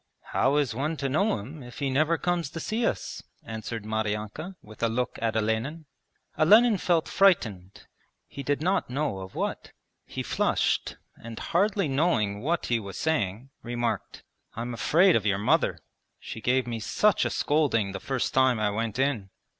'How is one to know him if he never comes to see us?' answered Maryanka, with a look at Olenin. Olenin felt frightened, he did not know of what. He flushed and, hardly knowing what he was saying, remarked: 'I'm afraid of your mother. She gave me such a scolding the first time I went in.'